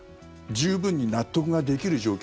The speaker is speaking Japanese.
十分に納得ができる状況